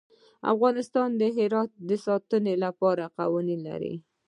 افغانستان د هرات د ساتنې لپاره قوانین لري.